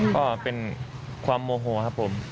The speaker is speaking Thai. ก็เป็นความโมโหครับผม